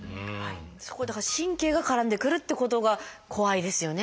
そこにだから神経が絡んでくるっていうことが怖いですよね。